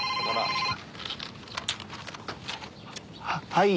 はい。